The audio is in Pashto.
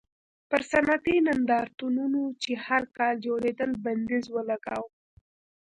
پر صنعتي نندارتونونو چې هر کال جوړېدل بندیز ولګاوه.